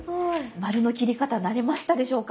丸の切り方慣れましたでしょうか？